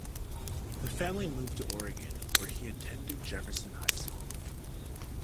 The family moved to Oregon, where he attended Jefferson High School.